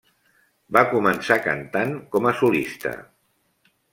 Va començar cantant com a solista.